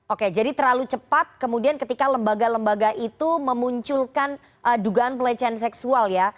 oke jadi terlalu cepat kemudian ketika lembaga lembaga itu memunculkan dugaan pelecehan seksual ya